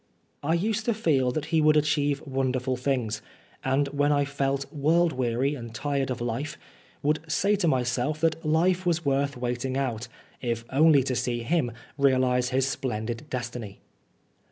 I used to feel that he would achieve wonderful things ; and when I felt world weary and tired of life, would say to myself that life was worth waiting out, if only to see him realise his splendid destiny.